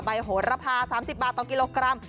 โหระพา๓๐บาทต่อกิโลกรัม